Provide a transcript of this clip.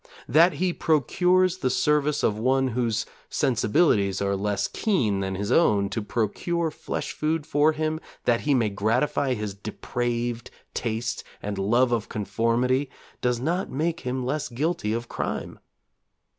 That he procures the service of one whose sensibilities are less keen than his own to procure flesh food for him that he may gratify his depraved taste and love of conformity does not make him less guilty of crime.